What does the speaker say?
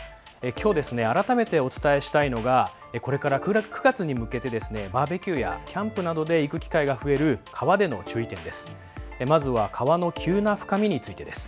きょう改めてお伝えしたいのがこれから９月に向けてバーベキューやキャンプなどで行く機会が増える川での注意点です。